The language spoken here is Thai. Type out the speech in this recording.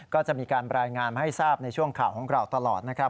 ก็จะมีการรายงานให้ทราบในช่วงข่าวของเราตลอดนะครับ